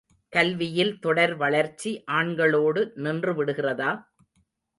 கல்வியில் தொடர் வளர்ச்சி ஆண்களோடு நின்று விடுகிறதா?